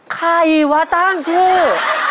ใครวะตั้งชื่อ